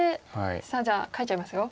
さあじゃあ描いちゃいますよ。